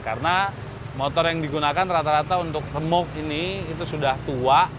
karena motor yang digunakan rata rata untuk remok ini itu sudah tua